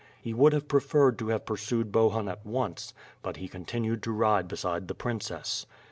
He would have preferred to have pursued Bohun at once, but he con tinued to ride beside the princess.